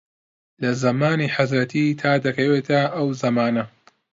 لە زەمانی حەزرەتی تا دەکەوێتە ئەو زەمانە